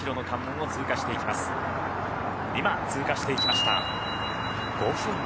今、通過していきました。